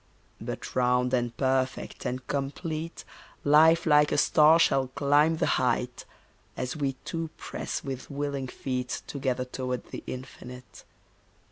But round and perfect and complete, Life like a star shall climb the height, As we two press with willing feet Together toward the Infinite.